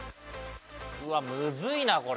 うわっむずいなこれ！